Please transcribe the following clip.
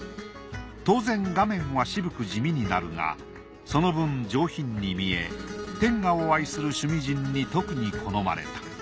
当然画面は渋く地味になるがその分上品に見え典雅を愛する趣味人に特に好まれた。